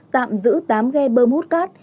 tạm giữ tám ghe bơm hút cát